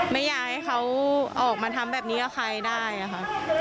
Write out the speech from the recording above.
ไม่อยากให้เขาออกมาทำแบบนี้กับใครได้ค่ะ